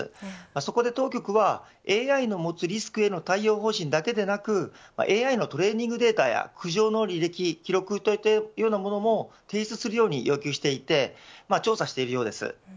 そこで当局はＡＩの持つリスクへの対応方針だけではなくＡＩのトレーニングデータや苦情の履歴、記録といった物を提出するように要求していて調査しているようです。